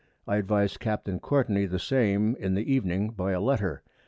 I advis'd Capt. Courtney the same in the Evening by a Letter.